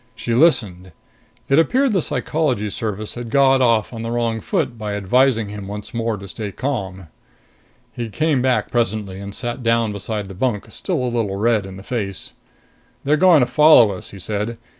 She listened. It appeared the Psychology Service had got off on the wrong foot by advising him once more to stay calm. He came back presently and sat down beside the bunk, still a little red in the face. "They're going to follow us," he said.